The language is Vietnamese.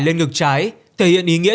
lên ngực trái thể hiện ý nghĩa